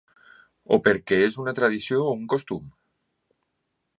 O perquè és una tradició o un costum?